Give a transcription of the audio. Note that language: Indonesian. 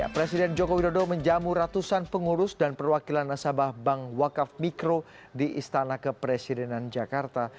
presiden joko widodo menjamu ratusan pengurus dan perwakilan nasabah bank wakaf mikro di istana kepresidenan jakarta